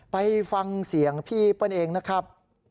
ไปฟังเสียงพี่เปิ้ลเองนะครับ